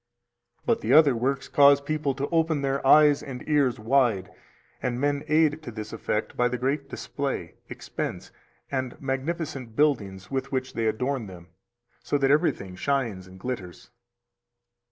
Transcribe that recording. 314 But the other works cause people to open their eyes and ears wide, and men aid to this effect by the great display, expense, and magnificent buildings with which they adorn them, so that everything shines and glitters.